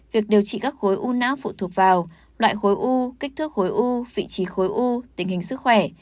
việc điều trị các khối u não phụ thuộc vào loại khối u kích thước khối u vị trí khối u tình hình sức khỏe